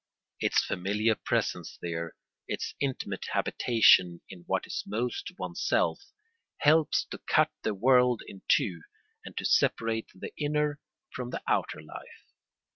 Its familiar presence there, its intimate habitation in what is most oneself, helps to cut the world in two and to separate the inner from the outer life.